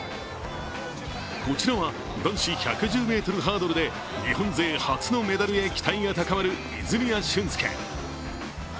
こちらは、男子１１０ｍハードルで日本勢初のメダルへ期待が高まる泉谷駿介。